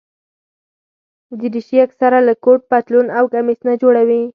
دریشي اکثره له کوټ، پتلون او کمیس نه جوړه وي.